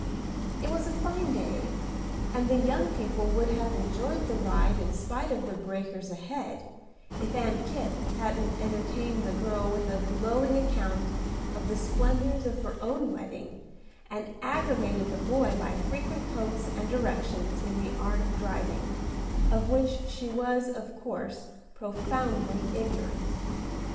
It was a fine day, and the young people would have enjoyed the ride in spite of the breakers ahead, if Aunt Kipp hadn't entertained the girl with a glowing account of the splendors of her own wedding, and aggravated the boy by frequent pokes and directions in the art of driving, of which she was of course, profoundly ignorant.